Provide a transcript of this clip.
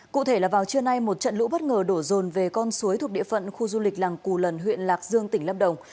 cụ thể là vào trưa nay một trận lũ bất ngờ đổ rồn về con suối thuộc địa phận khu du lịch làng cù lần huyện lạc dương tỉnh lâm đồng